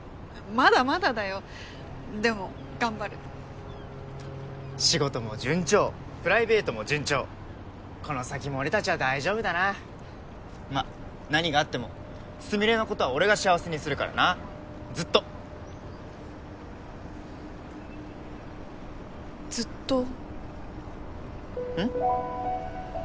まだまだだよでも頑張る仕事も順調プライベートも順調この先も俺達は大丈夫だなまあ何があってもスミレのことは俺が幸せにするからなずっとずっとうん？